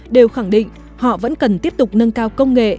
đều khẳng định họ vẫn cần tiếp tục nâng cao công nghệ